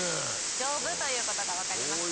丈夫ということが分かりました。